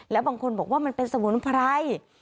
และบางคนบอกว่ามันเป็นสมุนไพร